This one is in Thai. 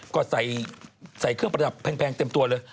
ก็ใส่เครื่องประดับแพงเต็มตัวเลย